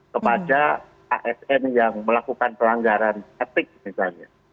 kepada asn yang melakukan pelanggaran etik misalnya